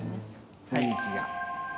雰囲気が。